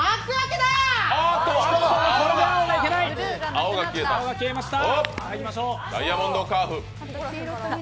青が消えました。